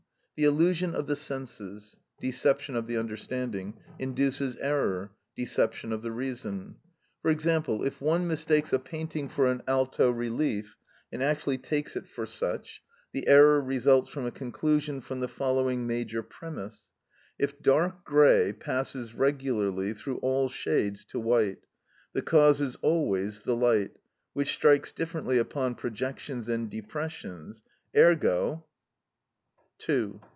The illusion of the senses (deception of the understanding) induces error (deception of the reason); for example, if one mistakes a painting for an alto relief, and actually takes it for such; the error results from a conclusion from the following major premise: "If dark grey passes regularly through all shades to white; the cause is always the light, which strikes differently upon projections and depressions, ergo—." (2.)